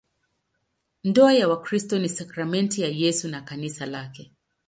Ndoa ya Wakristo ni sakramenti ya Yesu na Kanisa lake.